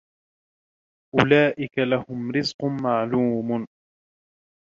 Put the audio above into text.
أُولَئِكَ لَهُمْ رِزْقٌ مَعْلُومٌ